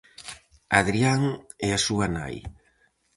Hadrián e a súa nai.